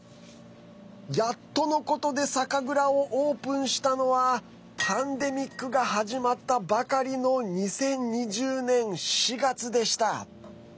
やっとのことで酒蔵をオープンしたのはパンデミックが始まったばかりの２０２０年４月でした。